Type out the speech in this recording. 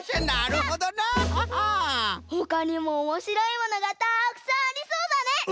ほかにもおもしろいものがたくさんありそうだね。